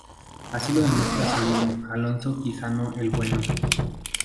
Así lo demuestra su libro "Alonso Quijano el Bueno.